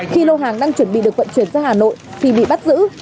khi lô hàng đang chuẩn bị được vận chuyển ra hà nội thì bị bắt giữ